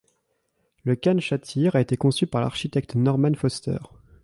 Le Khan Shatyr a été conçu par l'architecte Norman Foster.